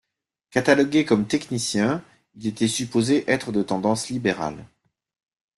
Catalogué comme 'technicien' il était supposé être de tendance libérale.